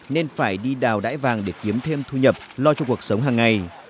nên phải đi đào đải vàng để kiếm thêm thu nhập lo cho cuộc sống hàng ngày